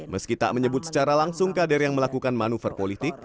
meski tak menyebut secara langsung kader yang melakukan manuver politik